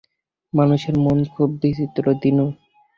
মানুষের মন খুব বিচিত্র দিনু।